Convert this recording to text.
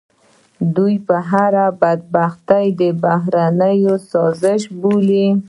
دوی هر بدبختي د بهرنیو سازش بولي.